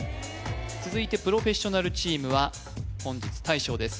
続いてプロフェッショナルチームは本日大将です